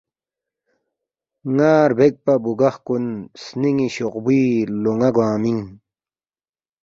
نا ربیک پابگخ کن سنینی شوقبوئی لونا گنگمینگ